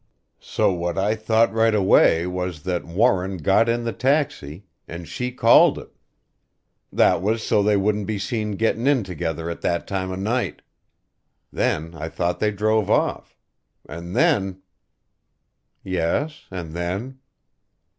So what I thought right away was that Warren got in the taxi, an' she called it. That was so they wouldn't be seen gettin' in together at that time of night. Then I thought they drove off. And then " "Yes and then?"